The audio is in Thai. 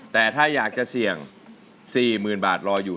แต่ถ้าอยากจะเสี่ยง๔๐๐๐บาทรออยู่